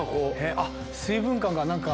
あっ水分感が何か。